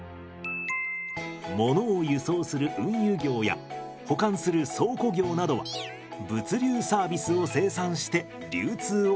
ものを輸送する運輸業や保管する倉庫業などは物流サービスを生産して流通をサポートしています。